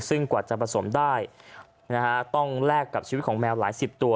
ซึ่งกว่าจะผสมได้ต้องแลกกับชีวิตของแมวหลายสิบตัว